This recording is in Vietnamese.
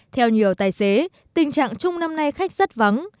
theo nhiều tài xế tình trạng chung năm nay khách rất vắng